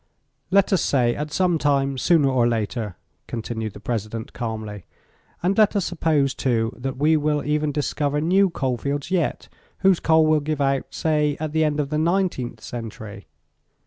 "Let us say at some time sooner or later," continued the President, calmly, "and let us suppose, too, that we will even discover new coal fields yet, whose coal will give out, say at the end of the nineteenth century."